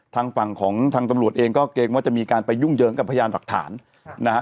ทางฝั่งของทางตำรวจเองก็เกรงว่าจะมีการไปยุ่งเยิงกับพยานหลักฐานนะฮะ